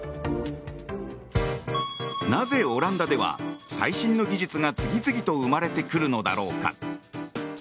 なぜオランダでは最新の技術が次々と生まれてくるのだろうか。